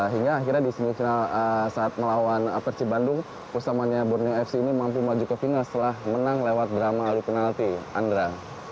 hingga akhirnya di semifinal saat melawan persibandung kusamania borneo fc ini mampu maju ke final setelah menang lewat drama adu penalti andra